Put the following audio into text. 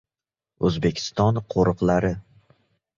Oʻzbekiston qoʻriqlari